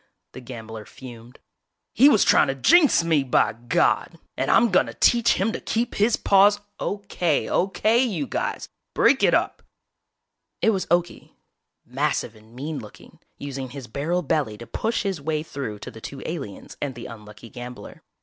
The gambler fumed. "He was trying to jinx me, by God! And I'm gonna teach him to keep his paws " "Okay, okay, you guys, break it up!!" It was Okie, massive and mean looking, using his barrel belly to push his way through to the two aliens and the unlucky gambler.